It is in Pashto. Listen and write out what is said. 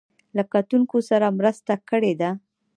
له کتونکو سره مرسته کړې ده.